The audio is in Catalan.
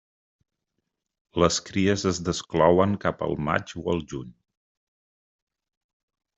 Les cries es desclouen cap al maig o el juny.